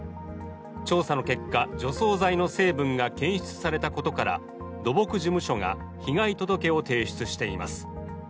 調査の結果、除草剤の成分が検出されたことから土木事務所が被害届を提出しています。